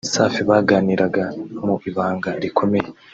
Safi baganiraga mu ibanga rikomeye